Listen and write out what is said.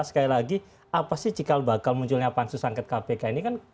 sekali lagi apa sih cikal bakal munculnya pansus angket kpk ini kan